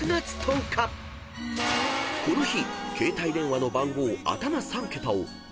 ［この日］